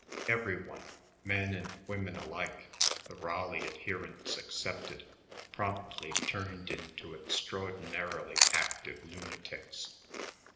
Every one, men and women alike, the Raleigh adherents excepted, promptly turned into extraordinarily active lunatics.